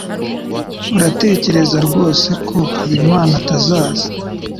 Uratekereza rwose ko Habimana atazaza?